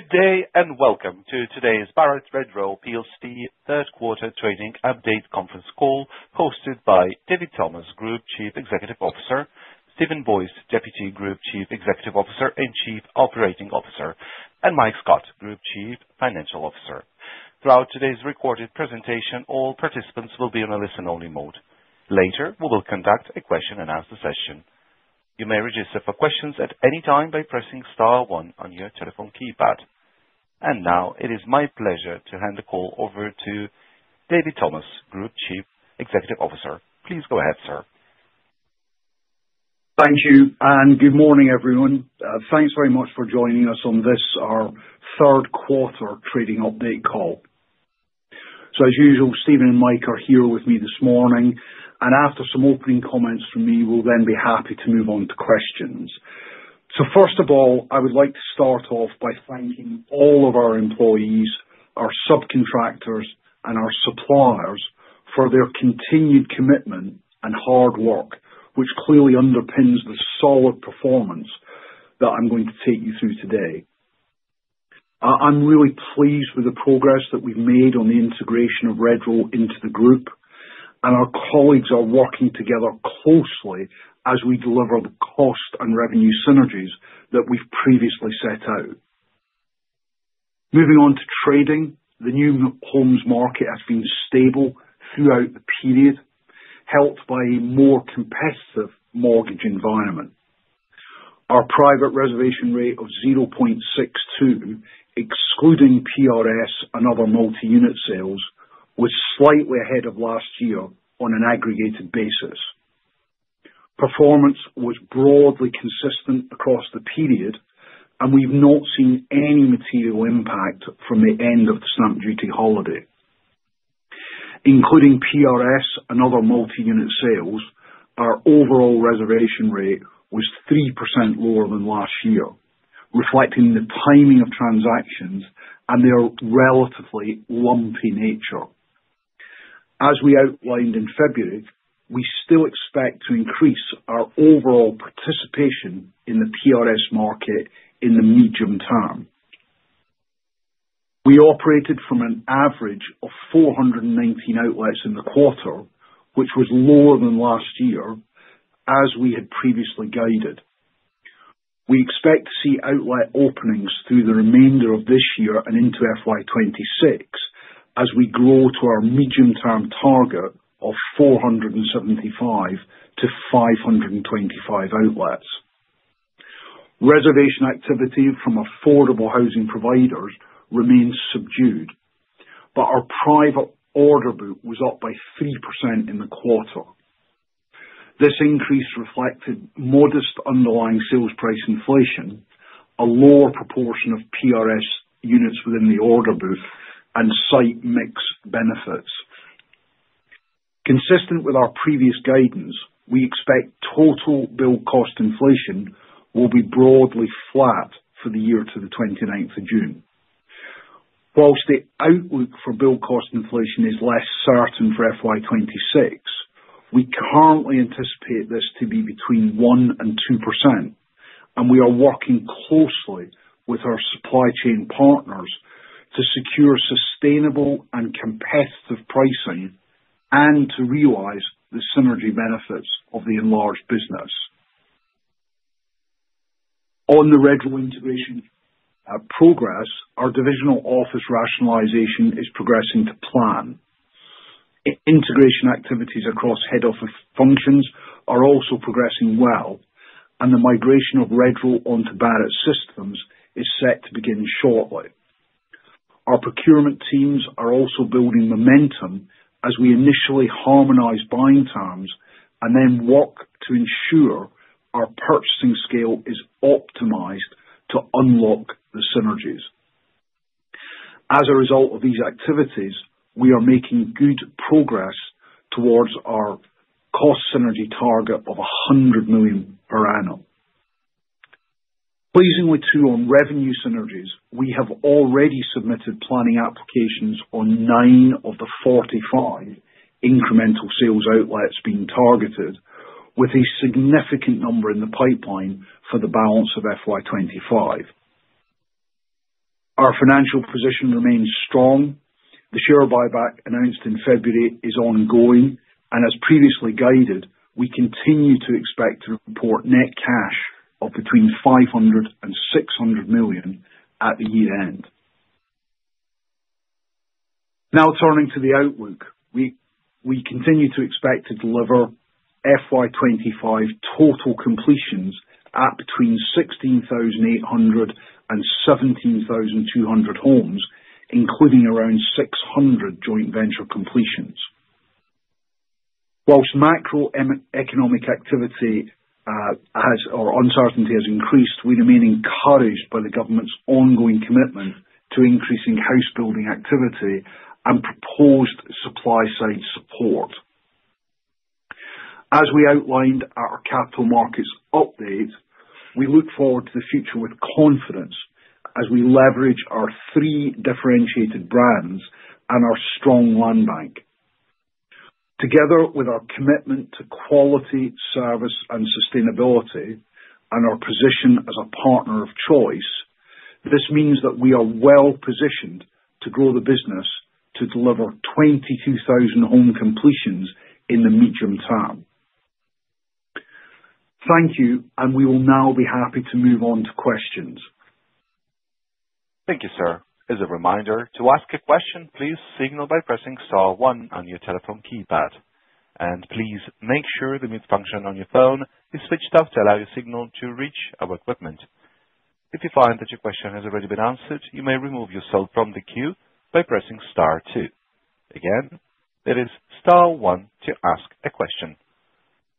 Good day and welcome to today's Barratt Redrow third quarter trading update conference call hosted by David Thomas, Group Chief Executive Officer, Steven Boyes, Deputy Group Chief Executive Officer and Chief Operating Officer, and Mike Scott, Group Chief Financial Officer. Throughout today's recorded presentation, all participants will be on a listen-only mode. Later, we will conduct a question-and-answer session. You may register for questions at any time by pressing star one on your telephone keypad. It is my pleasure to hand the call over to David Thomas, Group Chief Executive Officer. Please go ahead, sir. Thank you and good morning, everyone. Thanks very much for joining us on this, our third quarter trading update call. As usual, Steven and Mike are here with me this morning, and after some opening comments from me, we will then be happy to move on to questions. First of all, I would like to start off by thanking all of our employees, our subcontractors, and our suppliers for their continued commitment and hard work, which clearly underpins the solid performance that I am going to take you through today. I am really pleased with the progress that we have made on the integration of Redrow into the group, and our colleagues are working together closely as we deliver the cost and revenue synergies that we have previously set out. Moving on to trading, the new homes market has been stable throughout the period, helped by a more competitive mortgage environment. Our private reservation rate of 0.62, excluding PRS and other multi-unit sales, was slightly ahead of last year on an aggregated basis. Performance was broadly consistent across the period, and we have not seen any material impact from the end of the stamp duty holiday. Including PRS and other multi-unit sales, our overall reservation rate was 3% lower than last year, reflecting the timing of transactions and their relatively lumpy nature. As we outlined in February, we still expect to increase our overall participation in the PRS market in the medium term. We operated from an average of 419 outlets in the quarter, which was lower than last year, as we had previously guided. We expect to see outlet openings through the remainder of this year and into FY 2026 as we grow to our medium-term target of 475-525 outlets. Reservation activity from affordable housing providers remains subdued, but our private order book was up by 3% in the quarter. This increase reflected modest underlying sales price inflation, a lower proportion of PRS units within the order book, and site mix benefits. Consistent with our previous guidance, we expect total build cost inflation will be broadly flat for the year to the 29th of June. Whilst the outlook for build cost inflation is less certain for FY 2026, we currently anticipate this to be between 1%-2%, and we are working closely with our supply chain partners to secure sustainable and competitive pricing and to realize the synergy benefits of the enlarged business. On the Redrow integration progress, our divisional office rationalization is progressing to plan. Integration activities across head office functions are also progressing well, and the migration of Redrow onto Barratt systems is set to begin shortly. Our procurement teams are also building momentum as we initially harmonize buying terms and then work to ensure our purchasing scale is optimized to unlock the synergies. As a result of these activities, we are making good progress towards our cost synergy target of 100 million per annum. Pleasingly too, on revenue synergies, we have already submitted planning applications on nine of the 45 incremental sales outlets being targeted, with a significant number in the pipeline for the balance of FY 2025. Our financial position remains strong. The share buyback announced in February is ongoing, and as previously guided, we continue to expect to report net cash of between 500 million and 600 million at the year end. Now, turning to the outlook, we continue to expect to deliver FY 2025 total completions at between 16,800 and 17,200 homes, including around 600 joint venture completions. Whilst macroeconomic activity or uncertainty has increased, we remain encouraged by the government's ongoing commitment to increasing house building activity and proposed supply-side support. As we outlined at our Capital Markets Update, we look forward to the future with confidence as we leverage our three differentiated brands and our strong land bank. Together with our commitment to quality, service, and sustainability, and our position as a partner of choice, this means that we are well positioned to grow the business to deliver 22,000 home completions in the medium term. Thank you, and we will now be happy to move on to questions. Thank you, sir. As a reminder, to ask a question, please signal by pressing star one on your telephone keypad. Please make sure the mute function on your phone is switched off to allow your signal to reach our equipment. If you find that your question has already been answered, you may remove yourself from the queue by pressing star two. Again, it is star one to ask a question.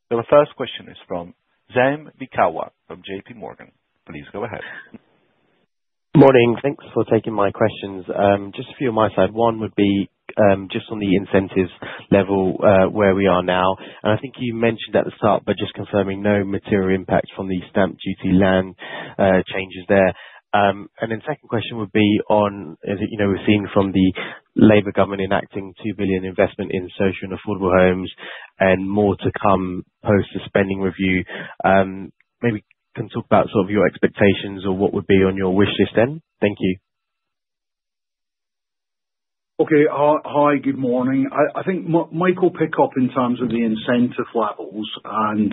The first question is from Zaim Beekawa from JPMorgan. Please go ahead. Morning. Thanks for taking my questions. Just a few on my side. One would be just on the incentives level where we are now. I think you mentioned at the start, but just confirming no material impact from the stamp duty land changes there. The second question would be on, as you know, we've seen from the Labour government enacting 2 billion investment in social and affordable homes and more to come post the Spending Review. Maybe can talk about sort of your expectations or what would be on your wish list then? Thank you. Okay. Hi, good morning. I think Mike will pick up in terms of the incentive levels, and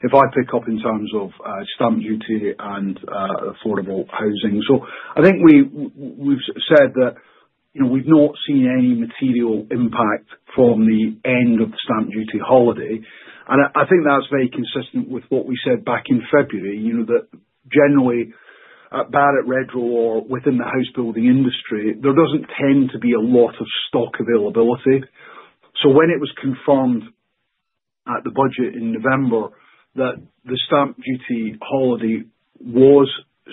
if I pick up in terms of stamp duty and affordable housing. I think we've said that we've not seen any material impact from the end of the stamp duty holiday. I think that's very consistent with what we said back in February, that generally at Barratt Redrow or within the house building industry, there does not tend to be a lot of stock availability. When it was confirmed at the budget in November that the stamp duty holiday was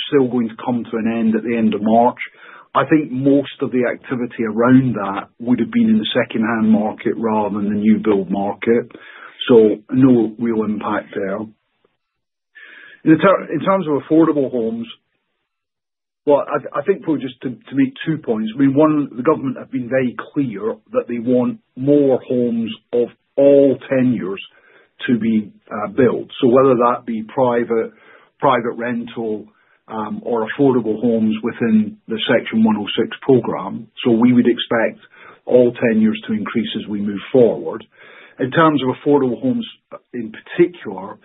still going to come to an end at the end of March, I think most of the activity around that would have been in the second-hand market rather than the new build market. No real impact there. In terms of affordable homes, I think just to make two points. I mean, one, the government have been very clear that they want more homes of all tenures to be built. Whether that be private rental or affordable homes within the Section 106 program, we would expect all tenures to increase as we move forward. In terms of affordable homes in particular,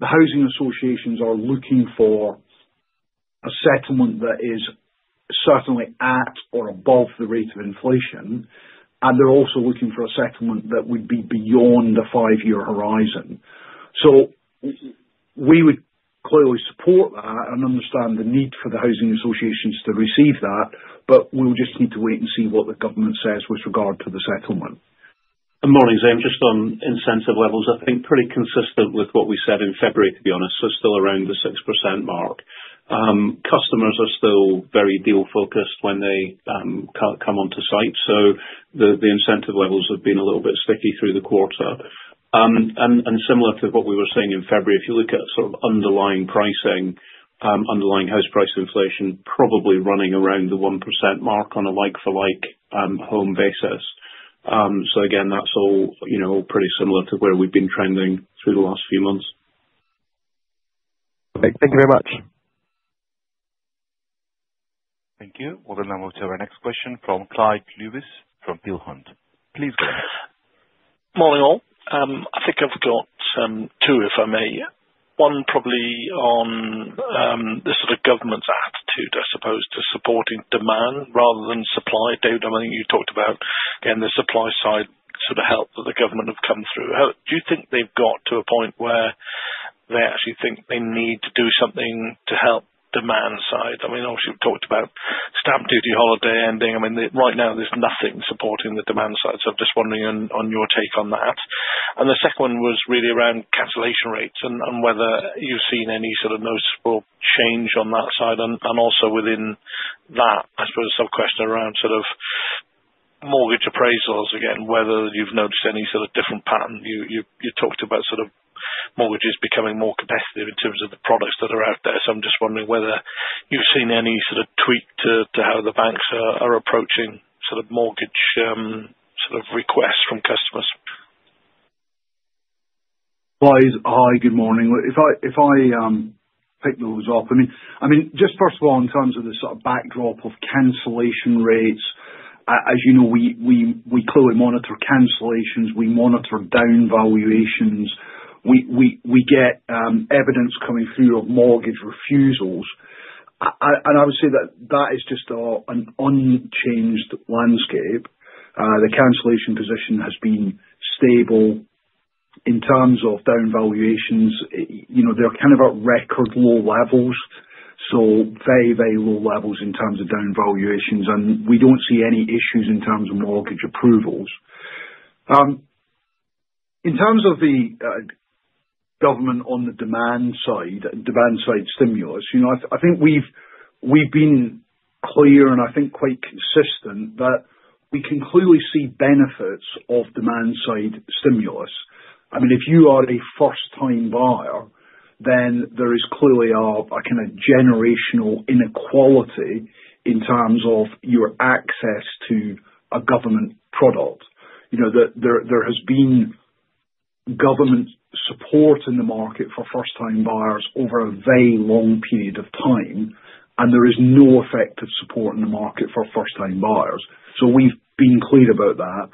the housing associations are looking for a settlement that is certainly at or above the rate of inflation, and they are also looking for a settlement that would be beyond the five-year horizon. We would clearly support that and understand the need for the housing associations to receive that, but we will just need to wait and see what the government says with regard to the settlement. Morning, Zaim. Just on incentive levels, I think pretty consistent with what we said in February, to be honest. Still around the 6% mark. Customers are still very deal-focused when they come onto site. The incentive levels have been a little bit sticky through the quarter. Similar to what we were seeing in February, if you look at sort of underlying pricing, underlying house price inflation, probably running around the 1% mark on a like-for-like home basis. That is all pretty similar to where we have been trending through the last few months. Okay. Thank you very much. Thank you. We'll then move to our next question from Clyde Lewis from Peel Hunt. Please go ahead. Morning all. I think I've got two, if I may. One probably on the sort of government's attitude, I suppose, to supporting demand rather than supply. David, I think you talked about, again, the supply side sort of help that the government have come through. Do you think they've got to a point where they actually think they need to do something to help demand side? I mean, obviously, we've talked about stamp duty holiday ending. I mean, right now, there's nothing supporting the demand side. I'm just wondering on your take on that. The second one was really around cancellation rates and whether you've seen any sort of noticeable change on that side. Also within that, I suppose, a sub-question around sort of mortgage appraisals, again, whether you've noticed any sort of different pattern. You talked about sort of mortgages becoming more competitive in terms of the products that are out there. I'm just wondering whether you've seen any sort of tweak to how the banks are approaching sort of mortgage sort of requests from customers. Hi, good morning. If I pick those up, I mean, just first of all, in terms of the sort of backdrop of cancellation rates, as you know, we clearly monitor cancellations. We monitor downvaluations. We get evidence coming through of mortgage refusals. I would say that that is just an unchanged landscape. The cancellation position has been stable. In terms of downvaluations, they're kind of at record low levels. Very, very low levels in terms of downvaluations. We do not see any issues in terms of mortgage approvals. In terms of the government on the demand side and demand side stimulus, I think we've been clear and I think quite consistent that we can clearly see benefits of demand side stimulus. I mean, if you are a first-time buyer, then there is clearly a kind of generational inequality in terms of your access to a government product. There has been government support in the market for first-time buyers over a very long period of time, and there is no effective support in the market for first-time buyers. We have been clear about that.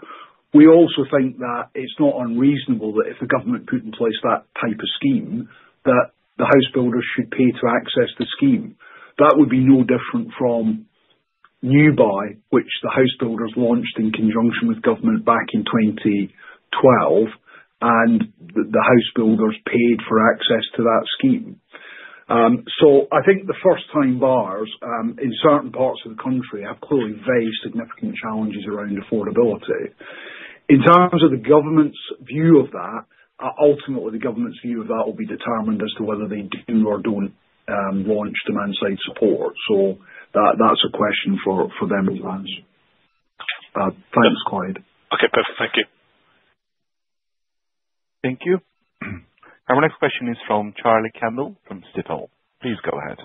We also think that it is not unreasonable that if the government put in place that type of scheme, the house builders should pay to access the scheme. That would be no different from NewBuy, which the house builders launched in conjunction with government back in 2012, and the house builders paid for access to that scheme. I think the first-time buyers in certain parts of the country have clearly very significant challenges around affordability. In terms of the government's view of that, ultimately, the government's view of that will be determined as to whether they do or do not launch demand side support. That is a question for them to answer. Thanks, Clyde. Okay. Perfect. Thank you. Thank you. Our next question is from Charlie Campbell from Stifel. Please go ahead.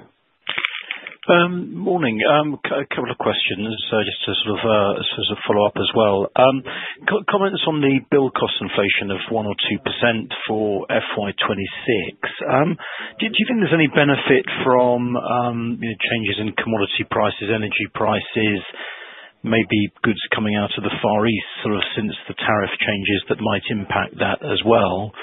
Morning. A couple of questions just to sort of follow up as well. Comments on the build cost inflation of 1% or 2% for FY 2026. Do you think there's any benefit from changes in commodity prices, energy prices, maybe goods coming out of the Far East sort of since the tariff changes that might impact that as well?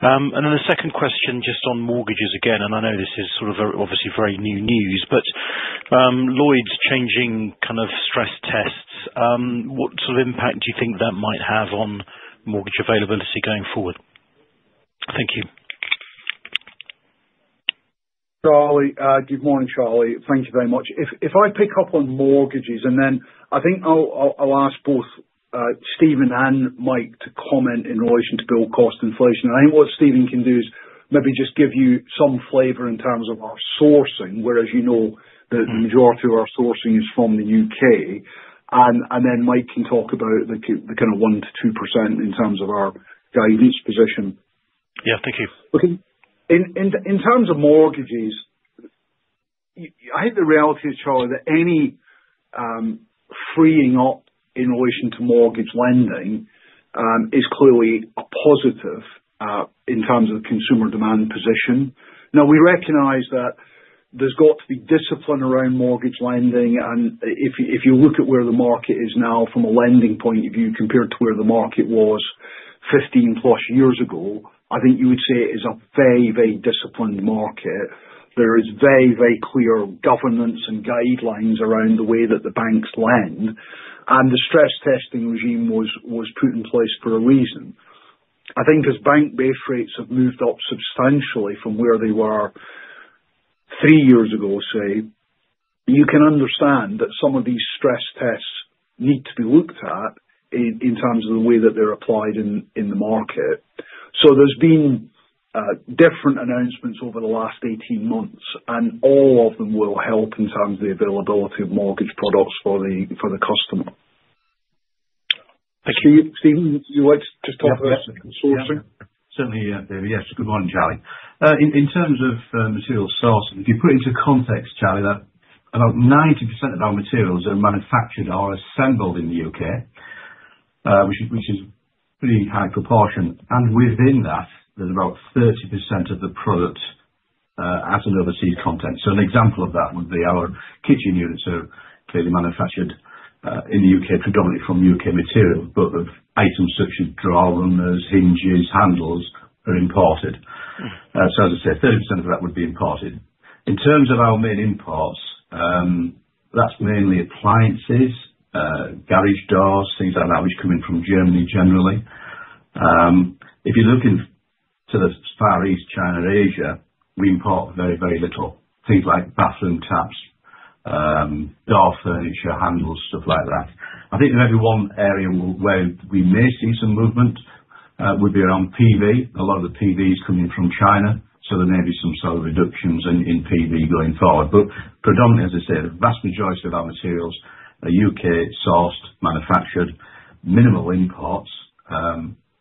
The second question just on mortgages again, and I know this is sort of obviously very new news, but Lloyds changing kind of stress tests. What sort of impact do you think that might have on mortgage availability going forward? Thank you. Good morning, Charlie. Thank you very much. If I pick up on mortgages, and then I think I'll ask both Steven and Mike to comment in relation to build cost inflation. I think what Steven can do is maybe just give you some flavor in terms of our sourcing, whereas you know that the majority of our sourcing is from the U.K. Mike can talk about the kind of 1%-2% in terms of our guidance position. Yeah. Thank you. In terms of mortgages, I think the reality is, Charlie, that any freeing up in relation to mortgage lending is clearly a positive in terms of consumer demand position. Now, we recognize that there's got to be discipline around mortgage lending. If you look at where the market is now from a lending point of view compared to where the market was 15-plus years ago, I think you would say it is a very, very disciplined market. There is very, very clear governance and guidelines around the way that the banks lend. The stress testing regime was put in place for a reason. I think as bank-based rates have moved up substantially from where they were three years ago, say, you can understand that some of these stress tests need to be looked at in terms of the way that they're applied in the market. There have been different announcements over the last 18 months, and all of them will help in terms of the availability of mortgage products for the customer. Thank you. Steven, would you like to just talk about the sourcing? Certainly, David. Yes. Good morning, Charlie. In terms of material sourcing, if you put into context, Charlie, that about 90% of our materials that are manufactured are assembled in the U.K., which is a pretty high proportion. Within that, there's about 30% of the product that has an overseas content. An example of that would be our kitchen units, which are clearly manufactured in the U.K., predominantly from U.K. materials. Items such as drawers, hinges, handles are imported. As I said, 30% of that would be imported. In terms of our main imports, that's mainly appliances, garage doors, things like that, which come in from Germany generally. If you look to the Far East, China, Asia, we import very, very little. Things like bathroom taps, door furniture, handles, stuff like that. I think maybe one area where we may see some movement would be around PV. A lot of the PV is coming from China. There may be some sort of reductions in PV going forward. Predominantly, as I said, the vast majority of our materials are U.K.-sourced, manufactured, minimal imports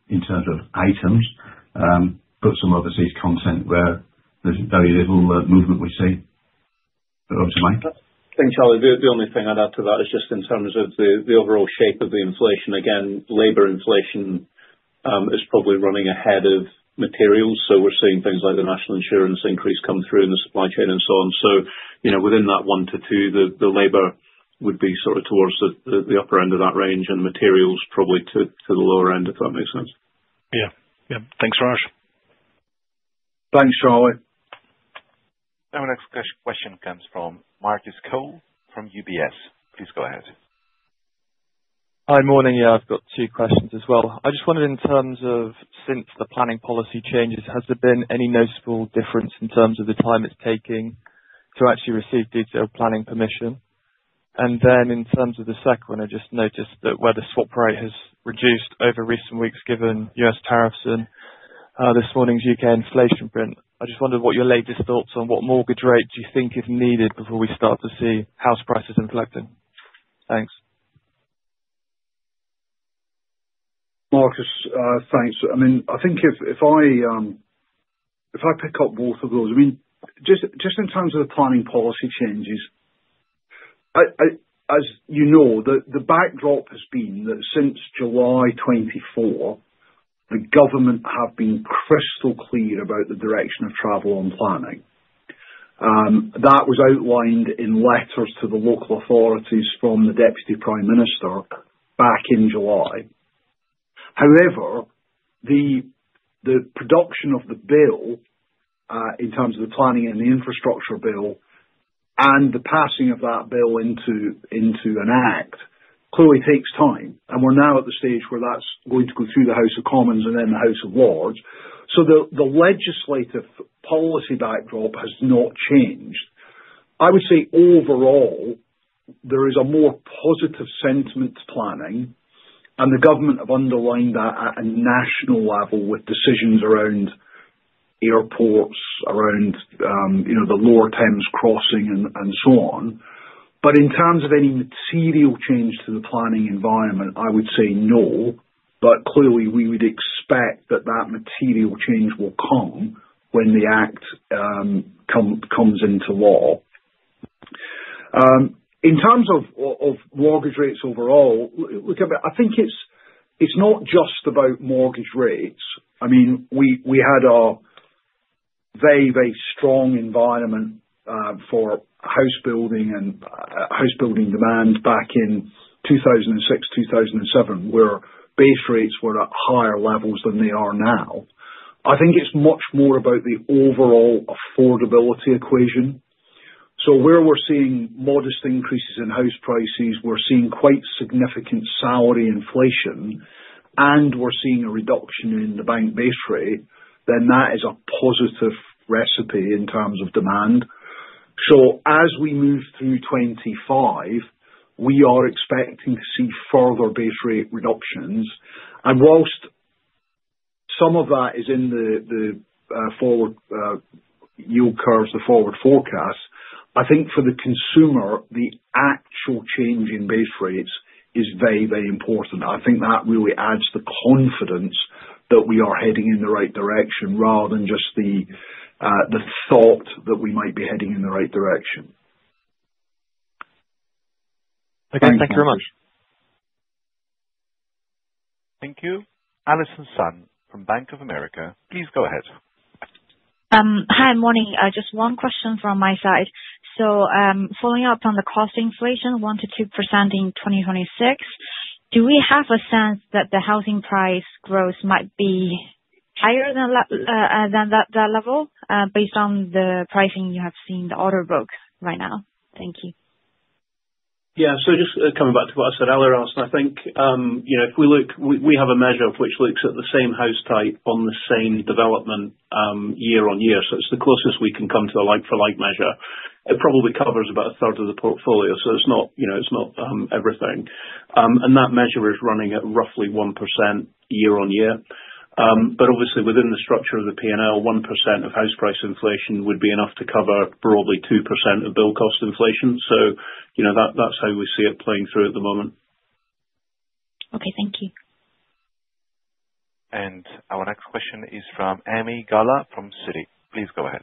in terms of items, but some overseas content where there's very little movement we see. Over to Mike. Thanks, Charlie. The only thing I'd add to that is just in terms of the overall shape of the inflation. Again, labor inflation is probably running ahead of materials. We're seeing things like the National Insurance increase come through in the supply chain and so on. Within that 1%-2%, the labor would be sort of towards the upper end of that range and materials probably to the lower end, if that makes sense. Yeah. Yeah. Thanks very much. Thanks, Charlie. Our next question comes from Marcus Cole from UBS. Please go ahead. Hi, morning. Yeah, I've got two questions as well. I just wondered in terms of since the planning policy changes, has there been any noticeable difference in terms of the time it's taking to actually receive detailed planning permission? In terms of the second one, I just noticed that where the swap rate has reduced over recent weeks given US tariffs and this morning's U.K. inflation print, I just wondered what your latest thoughts on what mortgage rates you think is needed before we start to see house prices inflecting? Thanks. Marcus, thanks. I mean, I think if I pick up both of those, I mean, just in terms of the planning policy changes, as you know, the backdrop has been that since July 2024, the government have been crystal clear about the direction of travel on planning. That was outlined in letters to the local authorities from the Deputy Prime Minister back in July. However, the production of the bill in terms of the Planning and Infrastructure Bill and the passing of that bill into an act clearly takes time. We are now at the stage where that is going to go through the House of Commons and then the House of Lords. The legislative policy backdrop has not changed. I would say overall, there is a more positive sentiment to planning. The government have underlined that at a national level with decisions around airports, around the Lower Thames Crossing, and so on. In terms of any material change to the planning environment, I would say no. Clearly, we would expect that material change will come when the act comes into law. In terms of mortgage rates overall, look, I think it is not just about mortgage rates. I mean, we had a very, very strong environment for house building and house building demand back in 2006, 2007, where base rates were at higher levels than they are now. I think it is much more about the overall affordability equation. Where we are seeing modest increases in house prices, we are seeing quite significant salary inflation, and we are seeing a reduction in the bank base rate, then that is a positive recipe in terms of demand. As we move through 2025, we are expecting to see further base rate reductions. Whilst some of that is in the forward yield curves, the forward forecasts, I think for the consumer, the actual change in base rates is very, very important. I think that really adds the confidence that we are heading in the right direction rather than just the thought that we might be heading in the right direction. Okay. Thank you very much. Thank you. Allison Sun from Bank of America. Please go ahead. Hi, morning. Just one question from my side. Following up on the cost inflation, 1%-2% in 2026, do we have a sense that the housing price growth might be higher than that level based on the pricing you have seen in the order book right now? Thank you. Yeah. Just coming back to what I said, Allison, I think if we look, we have a measure which looks at the same house type on the same development year-on-year. It is the closest we can come to a like-for-like measure. It probably covers about a third of the portfolio, so it is not everything. That measure is running at roughly 1% year-on-year. Obviously, within the structure of the P&L, 1% of house price inflation would be enough to cover broadly 2% of build cost inflation. That is how we see it playing through at the moment. Okay. Thank you. Our next question is from Ami Galla from Citi. Please go ahead.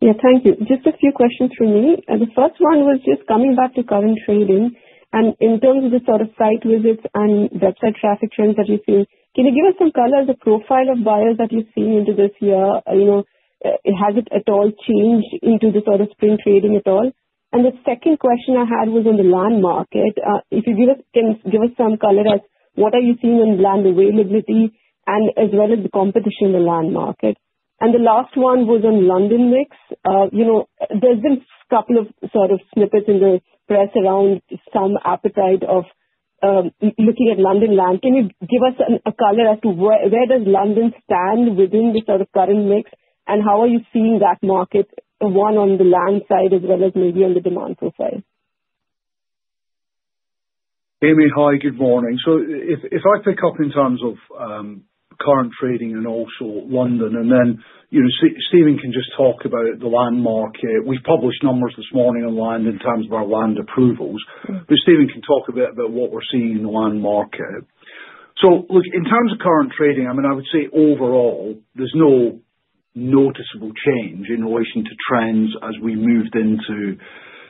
Yeah. Thank you. Just a few questions for me. The first one was just coming back to current trading. In terms of the sort of site visits and website traffic trends that you've seen, can you give us some color of the profile of buyers that you've seen into this year? Has it at all changed into the sort of spring trading at all? The second question I had was on the land market. If you can give us some color as what are you seeing in land availability and as well as the competition in the land market? The last one was on London mix. There's been a couple of sort of snippets in the press around some appetite of looking at London land. Can you give us a color as to where does London stand within the sort of current mix? How are you seeing that market, one on the land side as well as maybe on the demand profile? Ami, hi. Good morning. If I pick up in terms of current trading and also London, and then Steven can just talk about the land market. We have published numbers this morning on land in terms of our land approvals. Steven can talk a bit about what we are seeing in the land market. In terms of current trading, I would say overall, there is no noticeable change in relation to trends as we moved through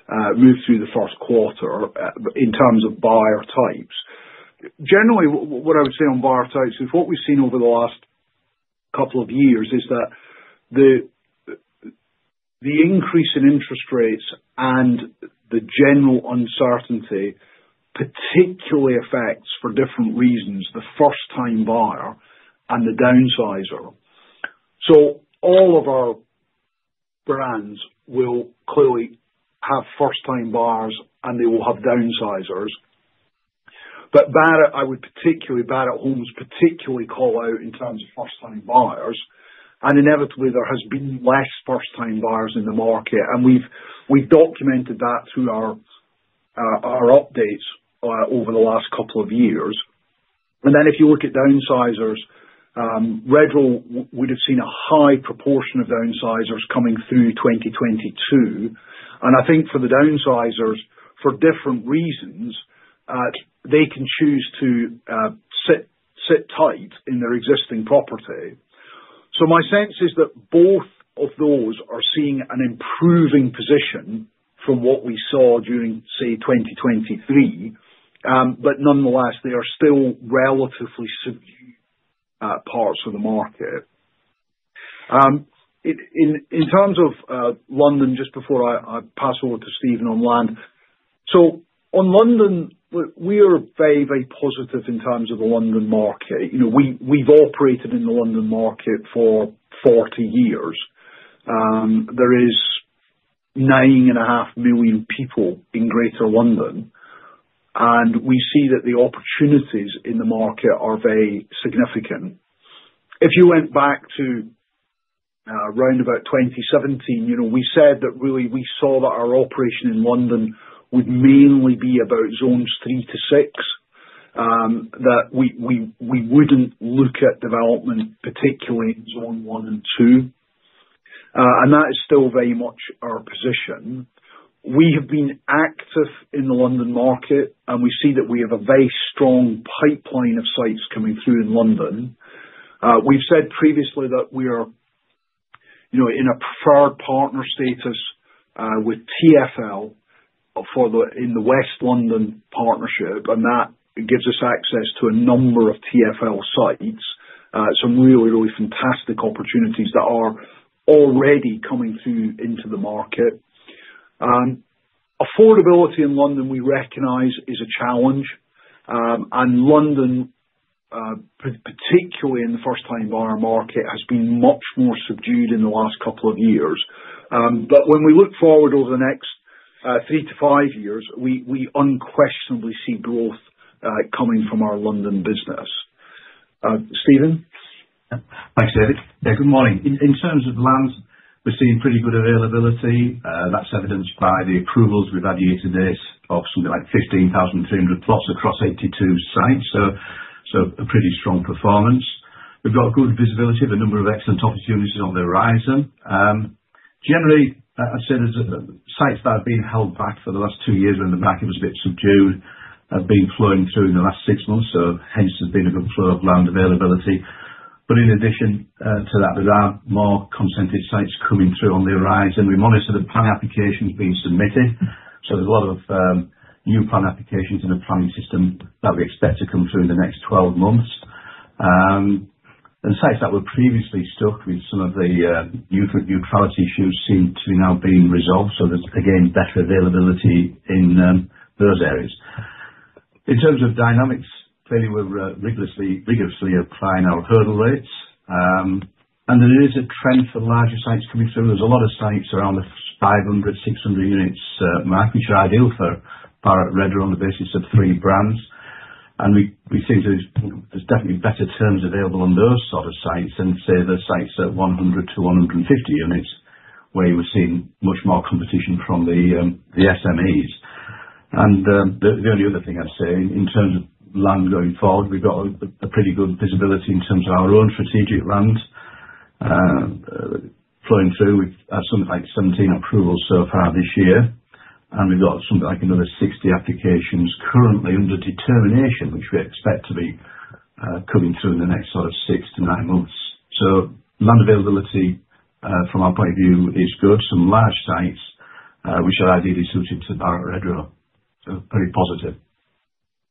the first quarter in terms of buyer types. Generally, what I would say on buyer types, what we have seen over the last couple of years is that the increase in interest rates and the general uncertainty particularly affects for different reasons the first-time buyer and the downsizer. All of our brands will clearly have first-time buyers, and they will have downsizers. Barratt, I would particularly, Barratt Homes particularly, call out in terms of first-time buyers. Inevitably, there has been less first-time buyers in the market. We have documented that through our updates over the last couple of years. If you look at downsizers, Redrow would have seen a high proportion of downsizers coming through 2022. I think for the downsizers, for different reasons, they can choose to sit tight in their existing property. My sense is that both of those are seeing an improving position from what we saw during, say, 2023. Nonetheless, they are still relatively subdued parts of the market. In terms of London, just before I pass over to Steven on land, on London, we are very, very positive in terms of the London market. We have operated in the London market for 40 years. There is 9.5 million people in Greater London. We see that the opportunities in the market are very significant. If you went back to around about 2017, we said that really we saw that our operation in London would mainly be about Zones 3 to 6, that we would not look at development particularly in Zone 1 and 2. That is still very much our position. We have been active in the London market, and we see that we have a very strong pipeline of sites coming through in London. We have said previously that we are in a preferred partner status with TfL in the West London partnership. That gives us access to a number of TfL sites. Some really, really fantastic opportunities that are already coming through into the market. Affordability in London, we recognize, is a challenge. London, particularly in the first-time buyer market, has been much more subdued in the last couple of years. When we look forward over the next three to five years, we unquestionably see growth coming from our London business. Steven? Thanks, David. Yeah, good morning. In terms of land, we're seeing pretty good availability. That's evidenced by the approvals we've had year to date of something like 15,300 plus across 82 sites. A pretty strong performance. We've got good visibility of a number of excellent opportunities on the horizon. Generally, I'd say there are sites that have been held back for the last two years when the market was a bit subdued that have been flowing through in the last six months. Hence, there's been a good flow of land availability. In addition to that, there are more consented sites coming through on the horizon. We monitor the plan applications being submitted. There's a lot of new plan applications in the planning system that we expect to come through in the next 12 months. Sites that were previously stuck with some of the neutrality issues seem to be now being resolved. There is, again, better availability in those areas. In terms of dynamics, clearly, we're rigorously applying our hurdle rates. There is a trend for larger sites coming through. There are a lot of sites around the 500 units-600 units mark, which are ideal for Barratt Redrow on the basis of three brands. We think there are definitely better terms available on those sort of sites than, say, the sites at 100 units-150 units where we're seeing much more competition from the SMEs. The only other thing I'd say in terms of land going forward, we've got pretty good visibility in terms of our own strategic land flowing through. We've had something like 17 approvals so far this year. We have got something like another 60 applications currently under determination, which we expect to be coming through in the next sort of six to nine months. Land availability from our point of view is good. Some large sites which are ideally suited to Barratt Redrow. Very positive.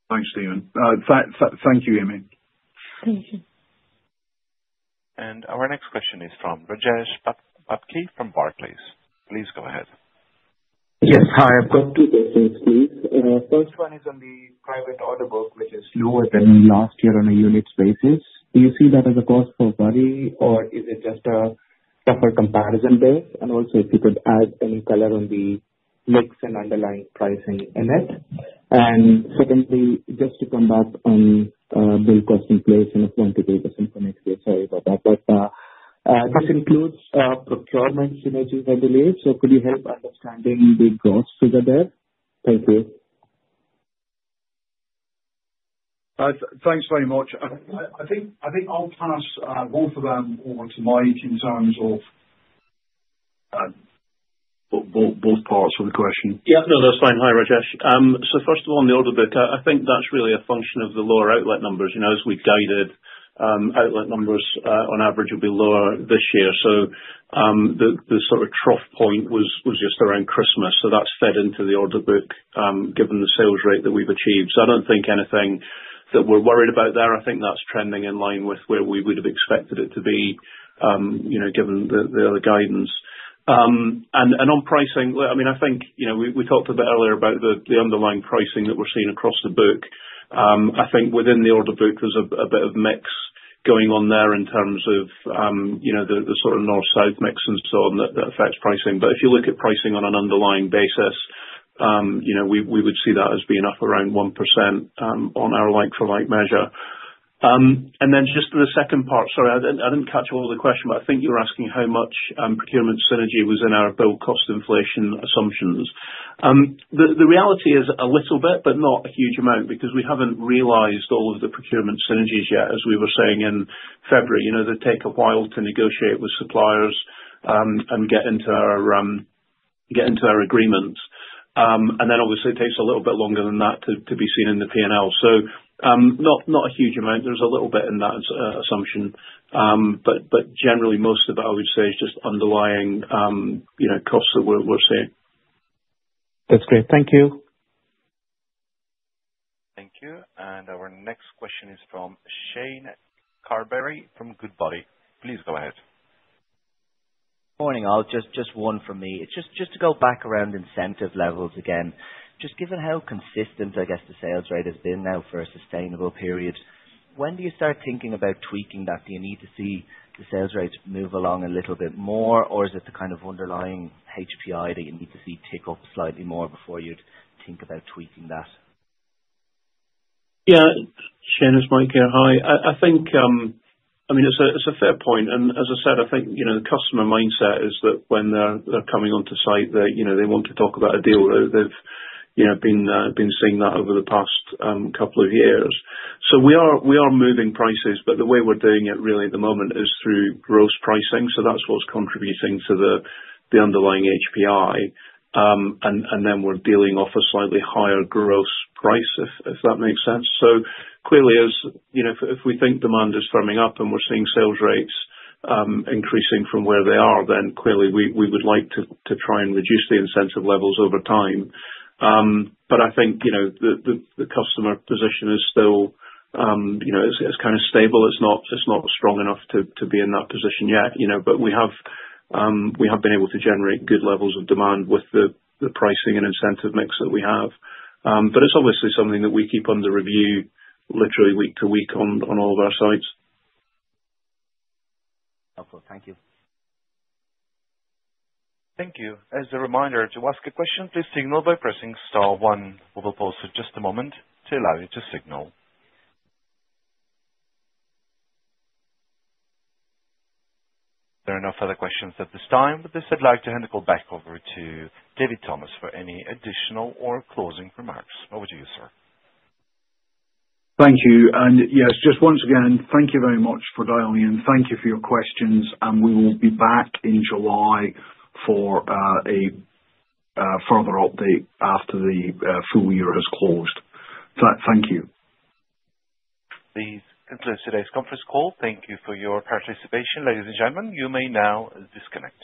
Thanks, Steven. Thank you, Ami. Thank you. Our next question is from Rajesh Bhatia from Barclays, please. Please go ahead. Yes. Hi. I've got two questions, please. First one is on the private order book, which is lower than last year on a unit basis. Do you see that as a cause for worry, or is it just a tougher comparison base? If you could add any color on the mix and underlying pricing in it. Secondly, just to come back on build cost inflation and a point to build cost inflation, sorry about that. This includes procurement synergies, I believe. Could you help understanding the growth figure there? Thank you. Thanks very much. I think I'll pass both of them over to Mike in terms of both parts of the question. Yeah. No, that's fine. Hi, Rajesh. First of all, on the order book, I think that's really a function of the lower outlet numbers. As we guided, outlet numbers on average will be lower this year. The sort of trough point was just around Christmas. That has fed into the order book given the sales rate that we've achieved. I do not think anything that we're worried about there. I think that's trending in line with where we would have expected it to be given the other guidance. On pricing, I mean, I think we talked a bit earlier about the underlying pricing that we're seeing across the book. I think within the order book, there's a bit of mix going on there in terms of the sort of north-south mix and so on that affects pricing. If you look at pricing on an underlying basis, we would see that as being up around 1% on our like-for-like measure. Just the second part, sorry, I did not catch all the question, but I think you were asking how much procurement synergy was in our build cost inflation assumptions. The reality is a little bit, but not a huge amount because we have not realized all of the procurement synergies yet, as we were saying in February. They take a while to negotiate with suppliers and get into our agreements. Obviously, it takes a little bit longer than that to be seen in the P&L. Not a huge amount. There is a little bit in that assumption. Generally, most of it, I would say, is just underlying costs that we are seeing. That's great. Thank you. Thank you. Our next question is from Shane Carberry from Goodbody. Please go ahead. Morning. Just one from me. Just to go back around incentive levels again, just given how consistent, I guess, the sales rate has been now for a sustainable period, when do you start thinking about tweaking that? Do you need to see the sales rates move along a little bit more, or is it the kind of underlying HPI that you need to see tick up slightly more before you'd think about tweaking that? Yeah. Shane, it is Mike here. Hi. I think, I mean, it is a fair point. As I said, I think the customer mindset is that when they are coming onto site, they want to talk about a deal. They have been seeing that over the past couple of years. We are moving prices, but the way we are doing it really at the moment is through gross pricing. That is what is contributing to the underlying HPI. We are dealing off a slightly higher gross price, if that makes sense. Clearly, if we think demand is firming up and we are seeing sales rates increasing from where they are, we would like to try and reduce the incentive levels over time. I think the customer position is still kind of stable. It is not strong enough to be in that position yet. We have been able to generate good levels of demand with the pricing and incentive mix that we have. It is obviously something that we keep under review, literally week to week on all of our sites. Awesome. Thank you. Thank you. As a reminder, to ask a question, please signal by pressing star one on your phone. We will pause just a moment to allow you to signal. There are no further questions at this time. With this, I'd like to hand the call back over to David Thomas for any additional or closing remarks. Over to you, sir. Thank you. Yes, just once again, thank you very much for dialing in. Thank you for your questions. We will be back in July for a further update after the full year has closed. Thank you. Please conclude today's conference call. Thank you for your participation, ladies and gentlemen. You may now disconnect.